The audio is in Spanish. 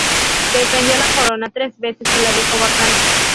Defendió la corona tres veces y la dejó vacante.